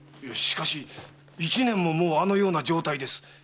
しかし一年ももうあのような状態です。